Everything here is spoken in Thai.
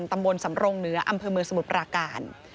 ตำบลสำรงเหนืออำเภอเมืองสมุทรปราการ